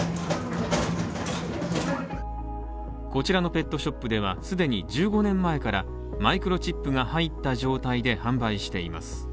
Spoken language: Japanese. こちらのペットショップでは既に１５年前からマイクロチップが入った状態で販売しています。